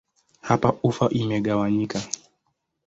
Hapa ufa imegawanyika.